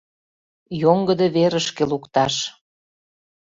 Йоҥгыдо верышке лукташ.